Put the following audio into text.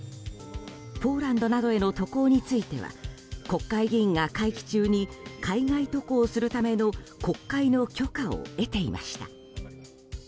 ポーランドなどへの渡航については国会議員が会期中に海外渡航するための国会の許可を得ていました。